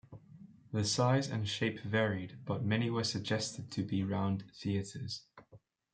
The size and shape varied but many were suggested to be round theaters.